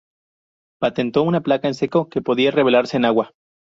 Patentó una placa en seco que podía revelarse en agua.